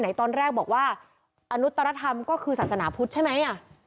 ตอนแรกบอกว่าอนุตรธรรมก็คือศาสนาพุทธใช่ไหม